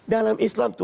dalam islam itu